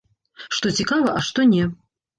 Што цікава, а што не.